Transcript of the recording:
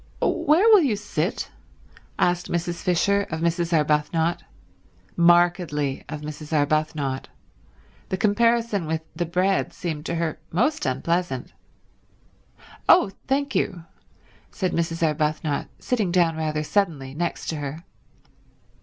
"Where will you sit?" asked Mrs. Fisher of Mrs. Arbuthnot—markedly of Mrs. Arbuthnot; the comparison with the bread seemed to her most unpleasant. "Oh, thank you—" said Mrs. Arbuthnot, sitting down rather suddenly next to her.